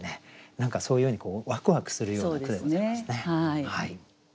何かそういうようにワクワクするような句でございますね。